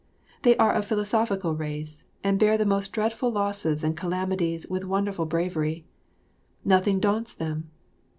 They are a philosophical race and bear the most dreadful losses and calamities with wonderful bravery. Nothing daunts them.